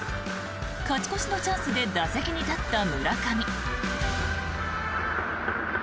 勝ち越しのチャンスで打席に立った村上。